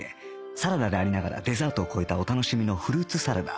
サラダでありながらデザートを超えたお楽しみのフルーツサラダ